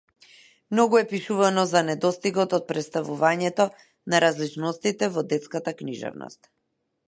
Многу е пишувано за недостигот од претставување на различностите во детската книжевност.